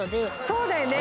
そうだよね